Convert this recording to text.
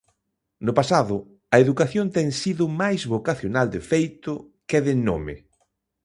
No pasado, a educación ten sido máis vocacional de feito que de nome.